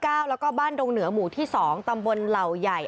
แล้วก็บ้านดงเหนือหมู่ที่๒ตำบลเหล่าใหญ่